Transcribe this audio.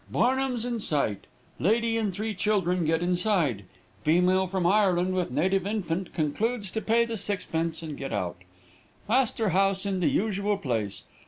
Barnum's in sight. Lady and three children get inside. Female from Ireland with native infant concludes to pay the sixpence and get out. Astor House in the usual place.